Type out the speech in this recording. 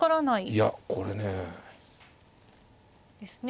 いやこれね。ですね。